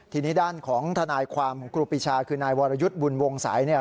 ทีนี้ด้านของทนายความของครูปีชาคือนายวรยุทธ์บุญวงศัยเนี่ย